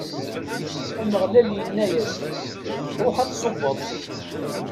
Ameɣlal inna-as-d: Ṛuḥ ad tṣubbeḍ!